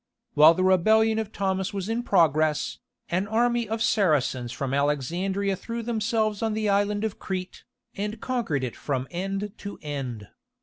While the rebellion of Thomas was in progress, an army of Saracens from Alexandria threw themselves on the island of Crete, and conquered it from end to end.